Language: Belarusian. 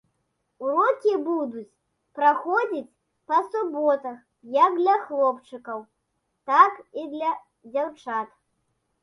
Урокі будуць праходзіць па суботах як для хлопчыкаў, так і для дзяўчат.